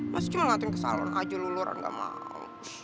masih cuma ngeliatin kesalahan aja lho lho orang gak mau